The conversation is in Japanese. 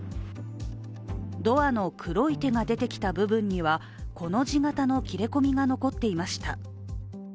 ドアの黒い手が出てきた部分には、コの字型の切れ込みが残っていました。